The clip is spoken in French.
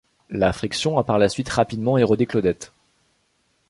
La friction a par la suite rapidement érodé Claudette.